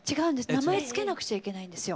名前つけなくちゃいけないんですよ。